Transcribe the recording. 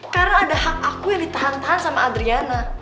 karena ada hak aku yang ditahan tahan sama adriana